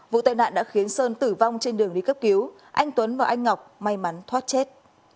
vụ tai nạn đã khiến sơn tử vong trên đường đi cấp cứu anh tuấn và anh ngọc may mắn thoát chết